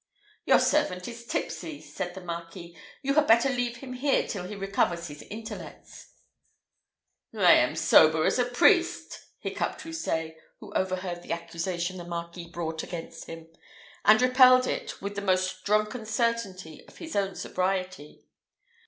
"Your servant is tipsy," said the Marquis; "you had better leave him here till he recovers his intellects." "I am as sober as a priest," hickupped Houssaye, who overheard the accusation the Marquis brought against him, and repelled it with the most drunken certainty of his own sobriety.